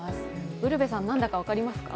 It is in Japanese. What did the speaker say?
ウルヴェさん、何だか分かりますか？